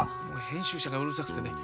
編集者がうるさくてね